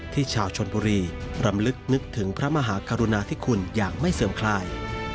ชาวชนบุรีรำลึกนึกถึงพระมหากรุณาธิคุณอย่างไม่เสื่อมคลาย